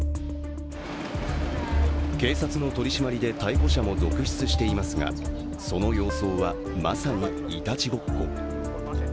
警察の取り締まりで逮捕者も続出していますがその様相はまさに、いたちごっこ。